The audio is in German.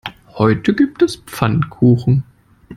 Heute gibt es Pfannkuchen.